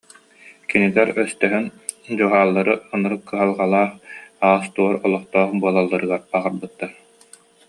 Кинилэр өстөһөн Дьуһааллары ынырык кыһалҕалаах, аас-туор олохтоох буолалларыгар баҕарбыттар